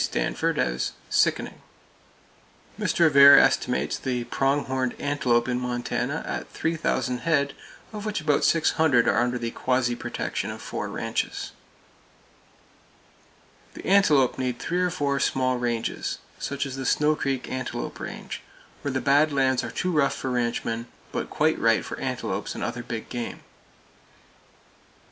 Stanford as "sickening." Mr. Avare estimates the prong horned antelope in Montana at three thousand head, of which about six hundred are under the quasi protection of four ranches. The antelope need three or four small ranges, such as the Snow Creek Antelope Range, where the bad lands are too rough for ranchmen, but quite right for antelopes and other big game.